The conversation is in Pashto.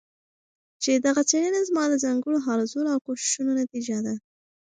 چې دغه څيړنه زما د ځانګړو هلو ځلو او کوښښونو نتيجه ده